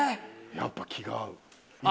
やっぱ気が合う。